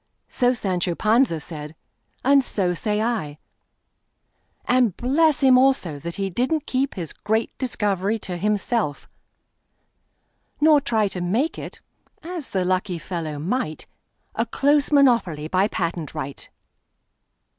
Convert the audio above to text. So Sancho Panza said, and so say I:And bless him, also, that he did n't keepHis great discovery to himself; nor tryTo make it—as the lucky fellow might—A close monopoly by patent right!